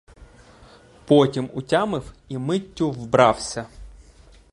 Потім утямив і миттю вбрався.